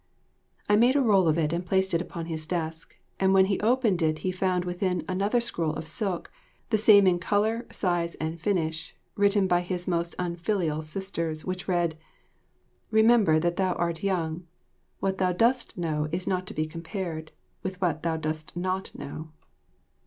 I made a roll of it and placed it upon his desk, and when he opened it he found within another scroll of silk, the same in colour, size, and finish, written by his most unfilial sisters, which read: "Remember that thou art young. What thou dost know is not to be compared, With what thou dost not know."